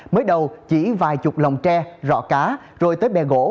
mới đầu chỉ vài chục lồng tre rọ cá rồi tới bè gỗ